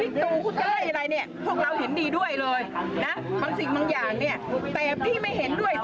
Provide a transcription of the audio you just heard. ก็คุณเกี๊ยบไปชูสามนิ้วในสถาเนี่ย